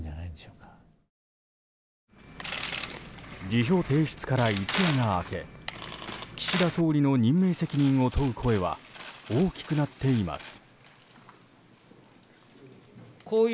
辞表提出から一夜が明け岸田総理の任命責任を問う声は大きくなっています。